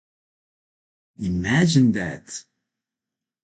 Imagine That!